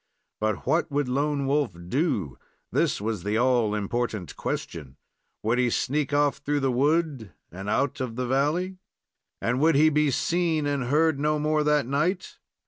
But what would Lone Wolf do? This was the all important question. Would he sneak off through the wood and out of the valley, and would he be seen and heard no more that night?